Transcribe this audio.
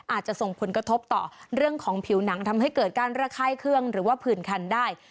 อาจจะส่งผลกระทบต่อเรื่องของผิวหนังทำให้เกิดการระค่ายเครื่องหรือว่าผื่นคันได้